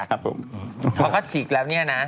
เขาก็ชี้แล้วเนี่ยนะ